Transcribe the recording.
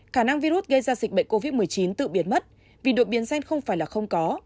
khả năng virus gây ra dịch bệnh covid một mươi chín tự biến mất vì đột biến gen không phải là không có